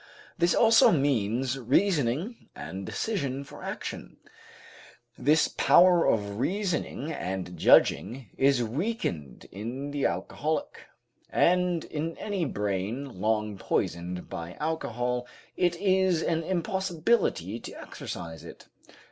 This also means reasoning and decision for action. This power of reasoning and judging is weakened in the alcoholic, and in any brain long poisoned by alcohol it is an impossibility to exercise it.